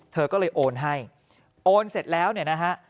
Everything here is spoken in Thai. เธอก็เลยโอนให้โอนเสร็จแล้วเนี่ยนะฮะ